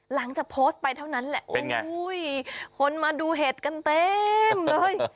หลังจากโพสต์ไปเท่านั้นแหละโอ้โหคนมาดูเห็ดกันเต็มเลย